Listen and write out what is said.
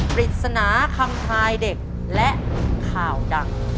ปริศนาคำทายเด็กและข่าวดัง